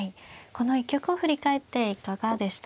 この一局を振り返っていかがでしたか。